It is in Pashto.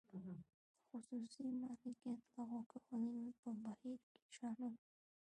د خصوصي مالکیت لغوه کول په بهیر کې شامل و.